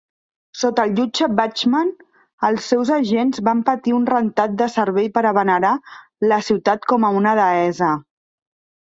Sota el jutge Bachmann, els seus agents van patir un rentat de cervell per a venerar la ciutat com a una deessa.